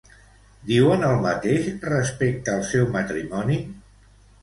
Diuen el mateix respecte al seu matrimoni?